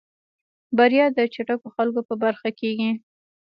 بريا د چټکو خلکو په برخه کېږي.